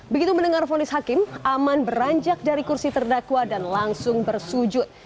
begitu mendengar fonis hakim aman beranjak dari kursi terdakwa dan langsung bersujud